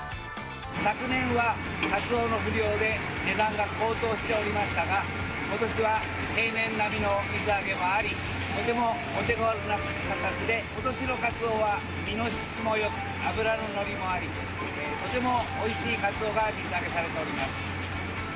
昨年はカツオの不漁で、値段が高騰しておりましたが、ことしは平年並みの水揚げもあり、とてもお手ごろな価格で、ことしのカツオは身の質もよく、脂の乗りもあり、とてもおいしいカツオが水揚げされております。